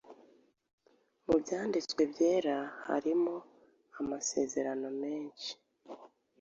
Mu Byanditswe Byera harimo amasezerano menshi